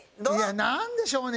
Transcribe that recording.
なんでしょうね？